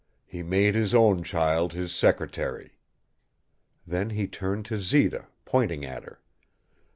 He made his own child his secretary." Then he turned to Zita, pointing at her.